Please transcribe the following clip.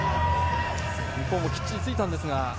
日本もきっちりついたんですが。